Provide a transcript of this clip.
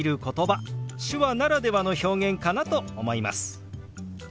手話ならではの表現かなと思います。